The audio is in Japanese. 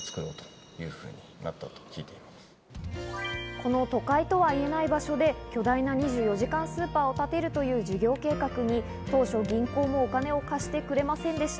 この都会とはいえない場所で、巨大な２４時間スーパーを建てるという事業計画に当初、銀行もお金を貸してくれませんでした。